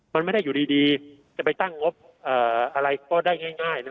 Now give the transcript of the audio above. มันไม่ได้อยู่ดีจะไปตั้งงบอะไรก็ได้ง่ายนะ